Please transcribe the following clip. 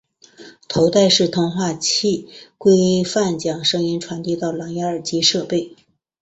头戴式通话器规范将声音传送到蓝芽耳机设备。